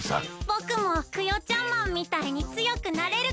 ぼくもクヨちゃんマンみたいに強くなれるかな？